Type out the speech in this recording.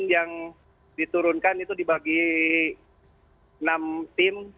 yang diturunkan itu dibagi enam tim